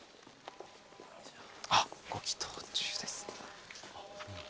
あっご祈祷中です。